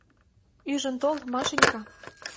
— Ӱжын тол, Машенька.